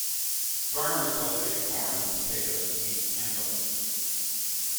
Farmers cultivated corn, potatoes, wheat and oats.